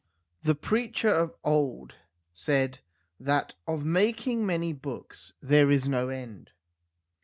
The preacher of old said that of making many books there is no end